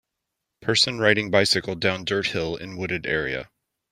Person riding bicycle down dirt hill in wooded area